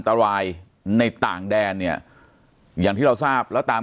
สวัสดีครับทุกผู้ชม